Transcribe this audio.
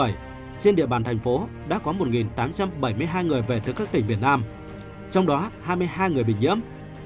trên địa bàn thành phố đã có một tám trăm bảy mươi hai người về từ các tỉnh miền nam trong đó hai mươi hai người bị nhiễm